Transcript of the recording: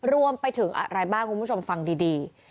รวมไปถึงอะไรบ้างคุณผู้ชมฟังดี